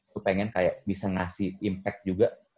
gue pengen kayak bisa ngasih impact juga